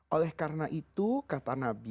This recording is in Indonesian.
oleh karena itu kata nabi